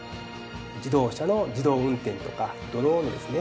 自動車の自動運転とかドローンをですね